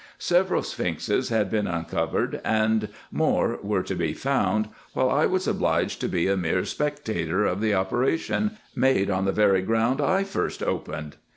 Several Sphinxes had been uncovered, and more were to be found, while I was obliged to be a mere spec tator of the operation, made on the very ground I first opened.